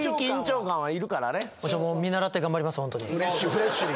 フレッシュに。